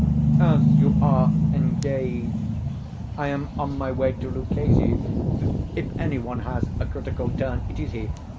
"As you are engaged, I am on my way to Luchesi. If any one has a critical turn, it is he.